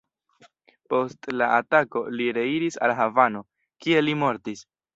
Post la atako, li reiris al Havano, kie li mortis.